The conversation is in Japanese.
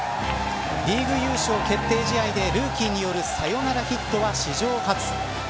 リーグ優勝決定試合でルーキーによるサヨナラヒットは史上初。